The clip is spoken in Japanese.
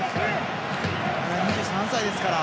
２３歳ですから。